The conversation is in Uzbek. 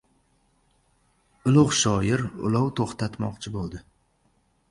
Ulug‘ shoir ulov to‘xtatmoqchi bo‘ldi.